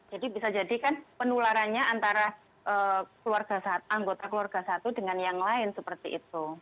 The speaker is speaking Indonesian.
jadi bisa jadi kan penularannya antara anggota keluarga satu dengan yang lain seperti itu